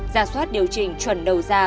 gia soát điều trình chuẩn đầu ra